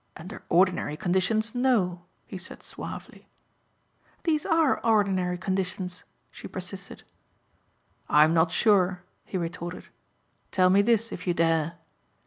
"Under ordinary conditions no," he said suavely. "These are ordinary conditions," she persisted. "I'm not sure," he retorted. "Tell me this if you dare.